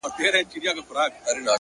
صبر د بریا اوږده پټه لاره ده!